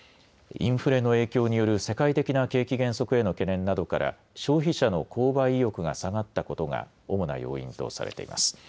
インフレの影響による世界的な景気減速への懸念などから消費者の購買意欲が下がったことが主な要因とされています。